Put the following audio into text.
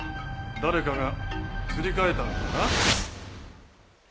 誰かがすり替えたのかな？